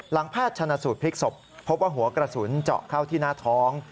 แพทย์ชนะสูตรพลิกศพพบว่าหัวกระสุนเจาะเข้าที่หน้าท้อง